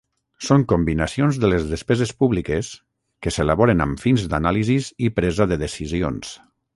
Són combinacions de les despeses públiques, que s'elaboren amb fins d'anàlisis i presa de decisions.